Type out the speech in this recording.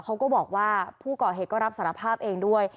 เขาก็บอกว่าผู้ก่อเหตุก็รับสารภาพเองด้วย